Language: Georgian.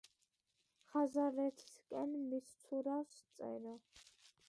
ხაზარეთისკენ მისცურავს წერო